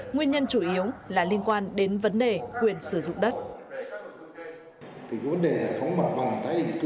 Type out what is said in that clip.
nguyên nhân chủ yếu là liên quan đến vấn đề quyền sử dụng đất